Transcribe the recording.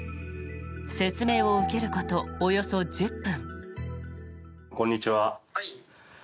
説明を受けることおよそ１０分。